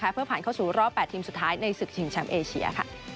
เพื่อผ่านเข้าสู่รอบ๘ทีมสุดท้ายในศึกชิงแชมป์เอเชีย